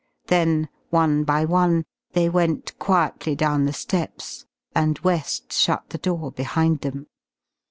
Then one by one they went quietly down the steps, and West shut the door behind them.